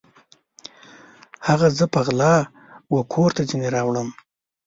هغه زه په غلا وکور ته ځیني راوړم